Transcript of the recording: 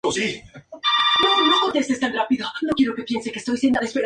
La tripulación, por el contrario, quería atacar cualquier nave de la bandera que fuese.